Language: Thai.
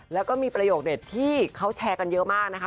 แล้วก็มีประโยคเด็ดที่เขาแชร์กันเยอะมากนะคะ